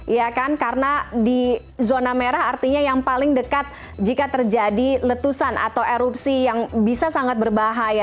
ya kan karena di zona merah artinya yang paling dekat jika terjadi letusan atau erupsi yang bisa sangat berbahaya